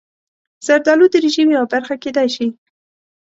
زردالو د رژیم یوه برخه کېدای شي.